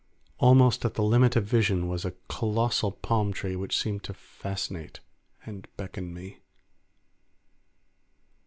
Almost at the limit of vision was a colossal palm tree which seemed to fascinate and beckon me.